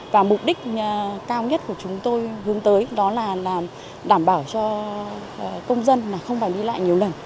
và mục đích cao nhất của chúng tôi hướng tới đó là đảm bảo cho công dân là không phải đi lại nhiều lần